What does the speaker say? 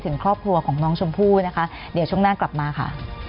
ถึงครอบครัวของน้องชมพู่นะคะเดี๋ยวช่วงหน้ากลับมาค่ะ